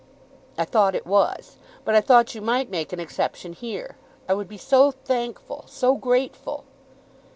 "I thought it was; but I thought you might make an exception here. I would be so thankful; so grateful."